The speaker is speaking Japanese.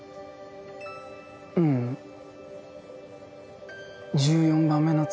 ううん１４番目の月。